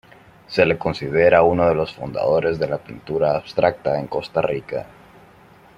Se le considera uno de los fundadores de la pintura abstracta en Costa Rica.